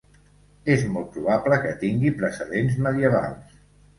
És molt probable que tingui precedents medievals.